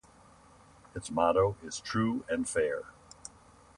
Its motto is "True and Fair".